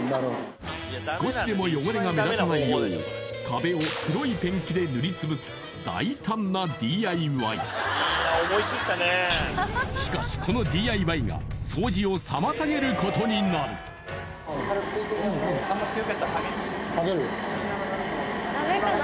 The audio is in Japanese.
少しでも汚れが目立たないよう壁を黒いペンキで塗り潰す大胆なＤＩＹしかしこのＤＩＹが掃除を妨げることになる軽く拭いてみます